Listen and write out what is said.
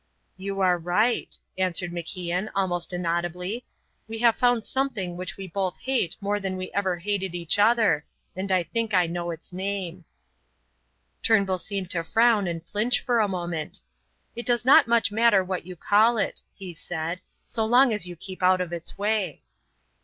"You are right," answered Evan almost inaudibly. "We have found something which we both hate more than we ever hated each other, and I think I know its name." Turnbull seemed to frown and flinch for a moment. "It does not much matter what you call it," he said, "so long as you keep out of its way."